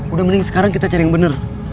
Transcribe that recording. udah mending sekarang kita cari yang benar